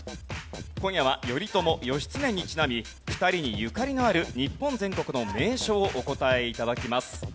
今夜は頼朝・義経にちなみ２人にゆかりのある日本全国の名所をお答え頂きます。